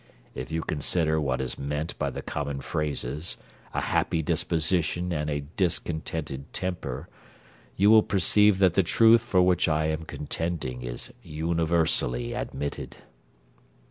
If you consider what is meant by the common phrases, a happy disposition and a discontented temper, you will perceive that the truth for which I am contending is universally admitted.